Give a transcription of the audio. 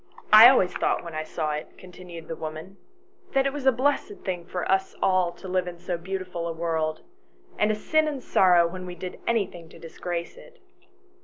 I always thought when I saw it," continued the woman, " that it was a blessed thing for us all to live in so beautiful a world, and a sin and a sorrow when we did anything to disgrace it.